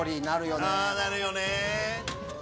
なるよね！